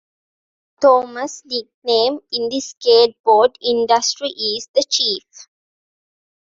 Thomas' nickname in the skateboard industry is The Chief.